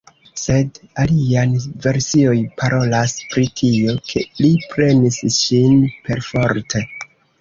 Sed aliaj versioj parolas pri tio, ke li prenis ŝin perforte.